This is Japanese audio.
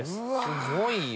すごいよ。